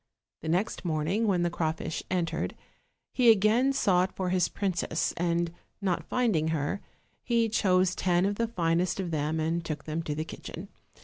The next morning, when the crawfish entered, he again sought for his princess, and, not finding her, he chose ten of the finest of them and took them to the kitchen.